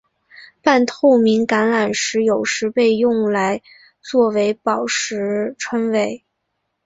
半透明橄榄石有时被用来作为宝石称为。